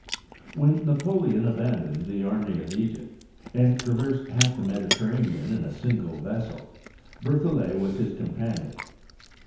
When Napoleon abandoned the army of Egypt, and traversed half the Mediterranean in a. single vessel, Berthollet was his companion.